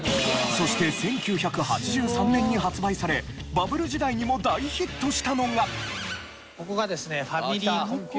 そして１９８３年に発売されバブル時代にも大ヒットしたのが。